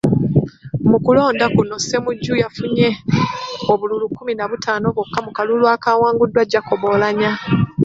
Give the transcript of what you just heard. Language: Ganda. Mu kulonda kuno Ssemujju yafunye obululu kkumi na butaano bwokka mu kalulu akaawanguddwa Jacob Oulanyah .